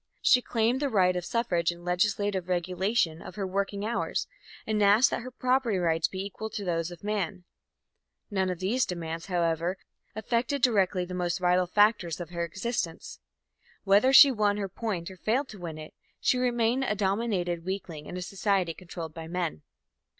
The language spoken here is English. She claimed the right of suffrage and legislative regulation of her working hours, and asked that her property rights be equal to those of the man. None of these demands, however, affected directly the most vital factors of her existence. Whether she won her point or failed to win it, she remained a dominated weakling in a society controlled by men.